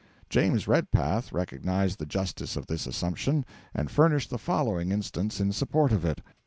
James Redpath recognised the justice of this assumption, and furnished the following instance in support of it.